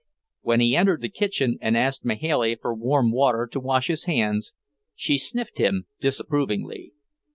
When he entered the kitchen and asked Mahailey for warm water to wash his hands, she sniffed him disapprovingly.